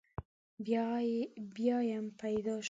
بیا یم پیدا شوی.